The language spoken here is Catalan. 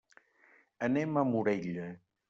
Anem a Morella.